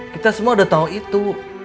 kita semua udah tahu itu